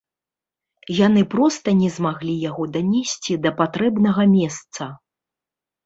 Яны проста не змаглі яго данесці да патрэбнага месца.